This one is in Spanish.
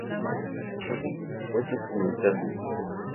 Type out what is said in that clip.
Las hojas tanto opuestas como alternas.